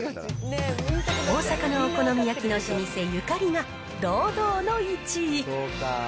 大阪のお好み焼きの老舗、ゆかりが、堂々の１位。